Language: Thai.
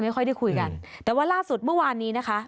ค่อยได้คุยกันแต่ว่าล่าสุดเมื่อวานนี้นะคะ